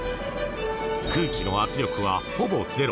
空気の圧力はほぼゼロ。